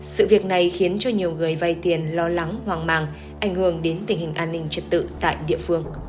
sự việc này khiến cho nhiều người vay tiền lo lắng hoang mang ảnh hưởng đến tình hình an ninh trật tự tại địa phương